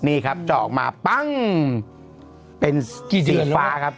นี่ครับเจาะออกมาปั้งเป็นสีฟ้าครับ